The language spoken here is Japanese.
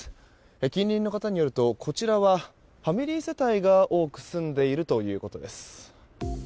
近隣の方によるとこちらはファミリー世帯が多く住んでいるということです。